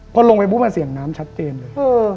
พอลงไปปุ๊บมันเสียงน้ำชัดเจนเลย